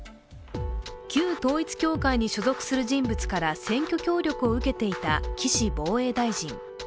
旧統一教会に所属する人物から選挙協力を受けていた岸防衛大臣。